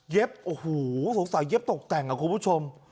เย็บโอ้โฮสาวเย็บตกแต่งครับคุณผู้ชม